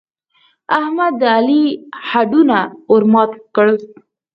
احمد د علي هډونه ور مات کړل.